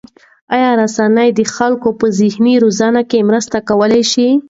آیا رسنۍ د خلکو په ذهني روزنه کې مرسته کولای شي؟